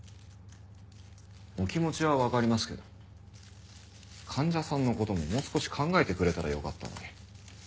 お気持ちはわかりますけど患者さんの事ももう少し考えてくれたらよかったのに。